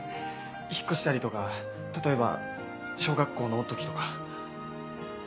引っ越したりとか例えば小学校の時とか。